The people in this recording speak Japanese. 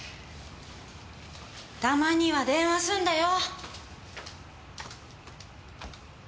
たまには電話すんだよ！